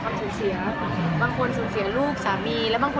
กูคิดว่าเข้าครู้สายมาก